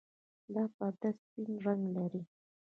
دا پرده سپین رنګ لري.